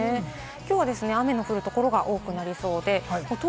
きょう雨の降るところが多くなりそうです。